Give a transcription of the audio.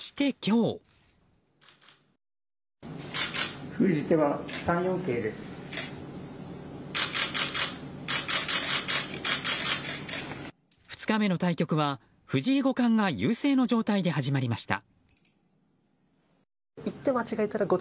２日目の対局は藤井五冠が優勢の状態で始まりました。